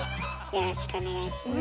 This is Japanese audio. よろしくお願いします。